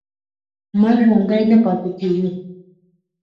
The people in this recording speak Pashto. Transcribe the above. مړ ژوندی نه پاتې کېږي.